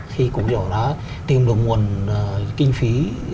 thì cũng như là tìm được nguồn kinh phí